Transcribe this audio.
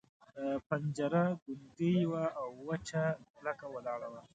پنجره ګونګۍ وه او وچه کلکه ولاړه وه.